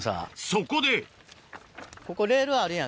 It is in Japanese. そこでここ。